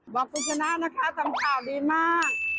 บอกคุณชนะนะคะทำข่าวดีมาก